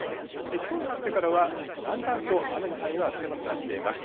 きょうになってからは、だんだんと雨の範囲は狭くなっています。